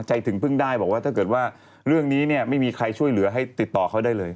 ถึงเพิ่งได้บอกว่าถ้าเกิดว่าเรื่องนี้เนี่ยไม่มีใครช่วยเหลือให้ติดต่อเขาได้เลย